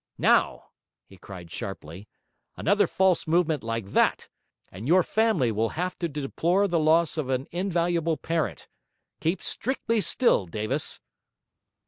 Now,' he cried sharply. 'Another false movement like that, and your family will have to deplore the loss of an invaluable parent; keep strictly still, Davis.'